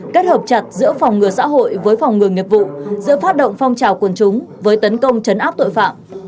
kết hợp chặt giữa phòng ngừa xã hội với phòng ngừa nghiệp vụ giữa phát động phong trào quần chúng với tấn công chấn áp tội phạm